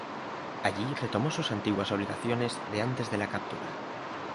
Allí retomó sus antiguas obligaciones de antes de la captura.